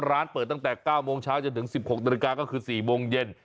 ร้านเปิดตั้งแต่๙โมงเช้าจนถึง๑๖นาฬิกาก็คือ๔โมงเย็น